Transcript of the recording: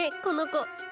この子。